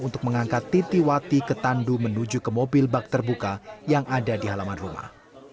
untuk mengangkat titi wati ke tandu menuju ke mobil bak terbuka yang ada di halaman rumah